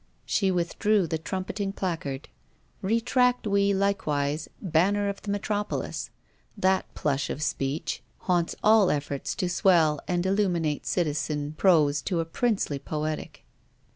She withdrew the trumpeting placard. Retract we likewise 'banner of the metropolis.' That plush of speech haunts all efforts to swell and illuminate citizen prose to a princely poetic.